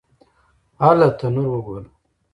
_هله! تنور وګوره!